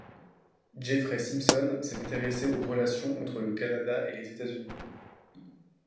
Jeffrey Simpson s'est intéressé aux relations entre le Canada et les États-Unis.